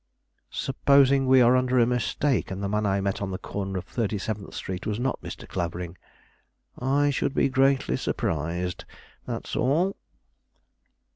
"Supposing we are under a mistake, and the man I met on the corner of Thirty seventh Street was not Mr. Clavering?" "I should be greatly surprised, that's all."